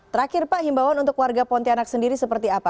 terakhir pak himbawan untuk warga pontianak sendiri seperti apa